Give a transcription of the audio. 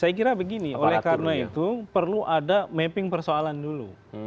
saya kira begini oleh karena itu perlu ada mapping persoalan dulu